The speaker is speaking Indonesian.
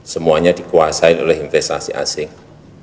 semuanya dikuasai oleh investasi asing